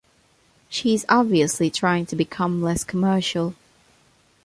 She's obviously trying to become less commercial.